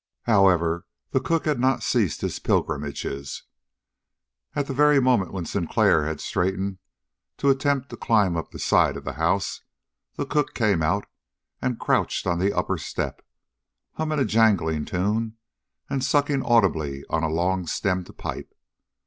However, the cook had not ceased his pilgrimages. At the very moment when Sinclair had straightened to attempt the climb up the side of the house, the cook came out and crouched on the upper step, humming a jangling tune and sucking audibly a long stemmed pipe.